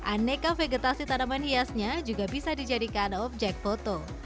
aneka vegetasi tanaman hiasnya juga bisa dijadikan objek foto